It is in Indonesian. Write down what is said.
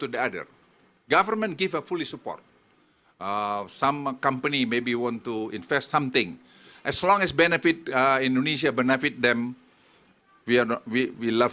dan ketiga membangun ekonomi hijau yang berdasarkan lima pilar